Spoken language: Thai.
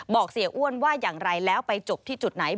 เสียอ้วนว่าอย่างไรแล้วไปจบที่จุดไหน